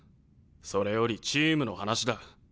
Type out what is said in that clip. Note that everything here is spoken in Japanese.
それよりチームの話だ。